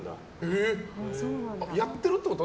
やってるってこと？